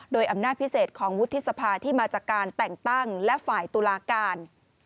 โดยอำนาจพิเศษของวุฒิสภาที่มาจากการแต่งตั้งและฝ่ายตุลาการ